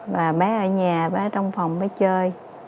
và bé ở nhà bé ở trong phòng bé chơi